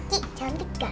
miss kiki cantik kan